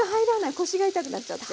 腰が痛くなっちゃって。